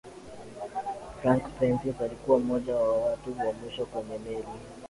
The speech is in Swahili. frank prentice alikuwa mmoja wa watu wa mwisho kwenye meli